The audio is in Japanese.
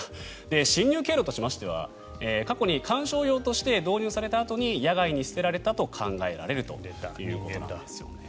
侵入経路としましては過去に観賞用として導入されたあとに野外に捨てられたと考えられるということなんですよね。